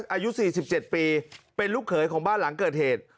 อายุสี่สิบเจ็ดปีเป็นลูกเขยของบ้านหลังเกิดเหตุ